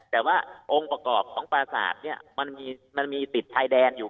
แต่ว่าองค์ประกอบของปราศาสตร์เนี่ยมันมีติดชายแดนอยู่